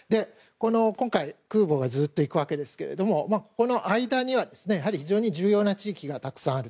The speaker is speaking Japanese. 今回、空母がずっと行くわけですがこの間には、やはり非常に重要な地域がたくさんある。